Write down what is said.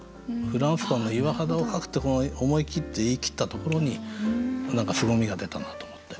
「フランスパンの岩肌を描く」ってこの思い切って言い切ったところに何かすごみが出たなと思って。